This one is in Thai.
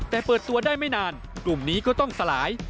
แต่เปิดตัวได้ไม่นานกลุ่มนี้ก็ต้องสลาย